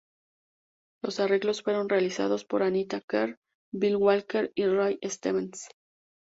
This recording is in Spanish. Los arreglos fueron realizados por Anita Kerr, Bill Walker y Ray Stevens.